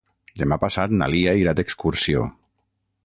Demà passat na Lia irà d'excursió.